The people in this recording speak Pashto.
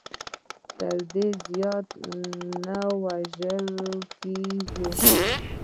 تر دې زیات نه وژل کېږو.